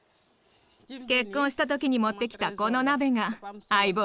結婚した時に持ってきたこの鍋が相棒よ。